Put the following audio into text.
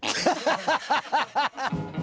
ハハハハ！